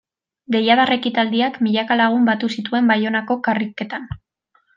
Deiadar ekitaldiak milaka lagun batu zituen Baionako karriketan.